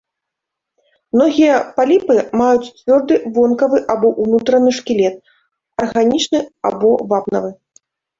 Многія паліпы маюць цвёрды вонкавы або ўнутраны шкілет, арганічны або вапнавы.